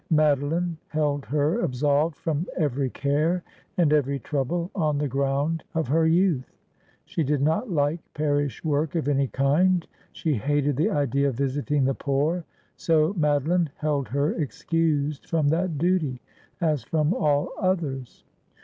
Madolme held tier absolved from every care and every trouble on the ground of her youth. She did not like parish work of any kind ; she hated the idea of visiting the poor ; so Madoline held her excused from that duty, as from all others.